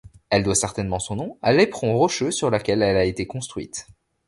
Elle doit certainement son nom à l'éperon rocheux sur laquelle elle a été construite.